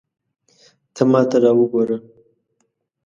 ته ماته را وګوره